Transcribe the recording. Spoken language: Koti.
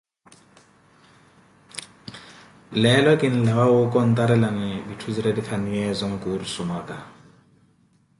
Leelo kinlawa wookontarelani vitthu zinretikhanaye so nkursu mwaka.